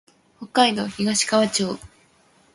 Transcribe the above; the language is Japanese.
北海道東川町